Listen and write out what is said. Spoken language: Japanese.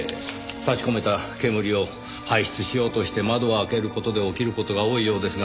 立ちこめた煙を排出しようとして窓を開ける事で起きる事が多いようですが